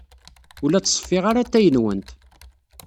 Ur la ttṣeffiɣ ara atay-nwent.